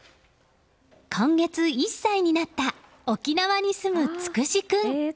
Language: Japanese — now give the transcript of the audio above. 今月１歳になった沖縄に住む、創士君。